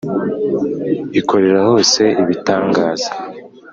ikorera hose ibitangaza,